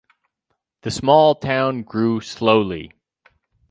The small town grew slowly.